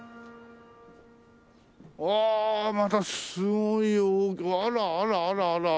うわまたすごいあらあらあらあら。